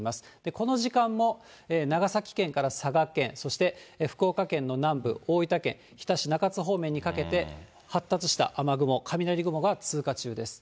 この時間も長崎県から佐賀県、そして福岡県の南部、大分県日田市中津方面にかけて、発達した雨雲、雷雲が通過中です。